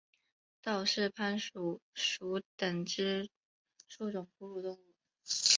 道氏攀鼠属等之数种哺乳动物。